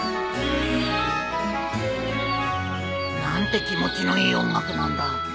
何て気持ちのいい音楽なんだ